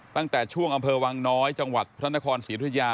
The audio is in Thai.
ตั้งแต่ช่วงอำเภอวังน้อยจังหวัดพระนครศรีธุยา